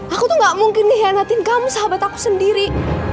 aku tuh gak mungkin dihianatin kamu sahabat aku sendiri